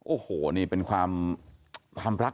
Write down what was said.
โอ้โหนี่เป็นความรัก